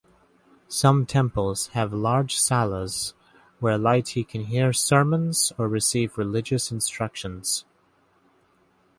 Some temples have large salas where laity can hear sermons or receive religious instructions.